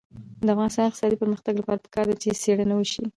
د افغانستان د اقتصادي پرمختګ لپاره پکار ده چې څېړنه وشي.